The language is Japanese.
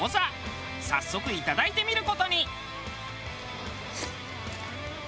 早速いただいてみる事に。